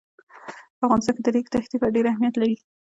په افغانستان کې د ریګ دښتې ډېر اهمیت لري.